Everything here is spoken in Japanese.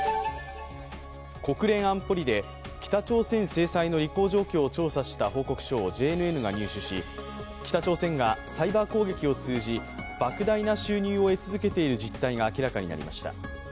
国連安保理で北朝鮮制裁の履行状況を調査した報告書をＪＮＮが入手し、北朝鮮がサイバー攻撃を通じ莫大な収入を得続けている実態が明らかになりました。